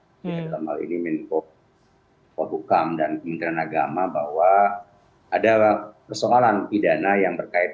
jadi dalam hal ini menurut pohukam dan kementerian agama bahwa ada persoalan pidana yang berkaitan